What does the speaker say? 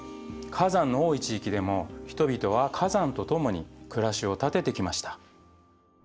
火山の多い地域でも人々は火山とともに暮らしを立ててきました。